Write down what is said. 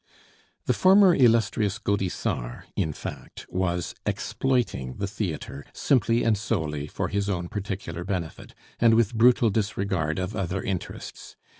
The former Illustrious Gaudissart, in fact, was exploiting the theatre simply and solely for his own particular benefit, and with brutal disregard of other interests.